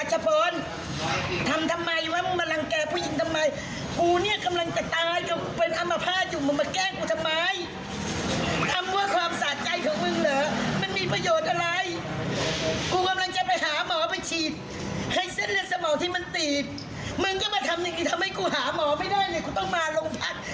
หาหมอไม่ได้เลยกูต้องมาลงทัก